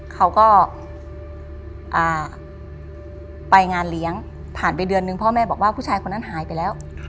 เขาก็ไปงานเลี้ยงผ่านไปเดือนนึงพ่อแม่บอกว่าผู้ชายคนนั้นหายไปแล้ว